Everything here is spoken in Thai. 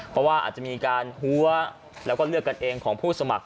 เพราะว่าอาจจะมีการหัวแล้วก็เลือกกันเองของผู้สมัคร